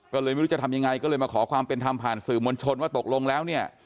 ก็เลยไม่รู้จะทำยังไงก็เลยมาขอความเป็นธรรมผ่านสื่อมวลชนว่าตกลงแล้วเนี่ย